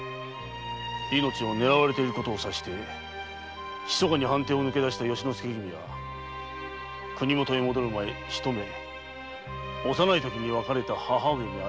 命をねらわれてる事を察してひそかに藩邸をぬけ出した由之助君は国元に戻る前ひと目幼い時に別れた母上に会いたいと。